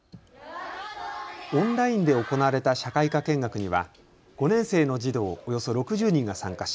オンラインで行われた社会科見学には５年生の児童およそ６０人が参加し